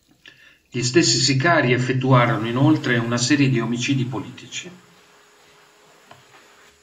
Gli stessi sicari effettuarono inoltre una serie di omicidi politici.